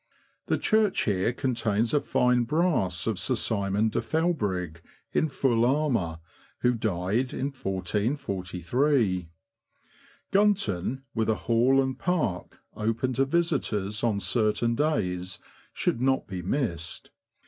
The church" here contains a fine brass of Sir Simon de Felbrigg, in full armour, who died 1443. Gunton, with a Hall and Park, open to visitors on certain days, should not be missed.